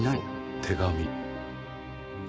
手紙。